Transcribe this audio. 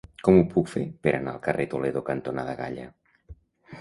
Com ho puc fer per anar al carrer Toledo cantonada Galla?